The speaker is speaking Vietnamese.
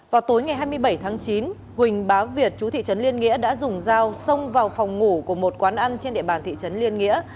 vào tối ngày hai mươi bảy tháng chín huỳnh bá việt chú thị trấn liên nghĩa đã dùng dao xông vào phòng ngủ của một quán ăn trên địa bàn thị trấn liên nghĩa